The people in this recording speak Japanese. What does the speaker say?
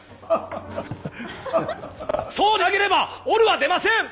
そうでなければおるは出ません！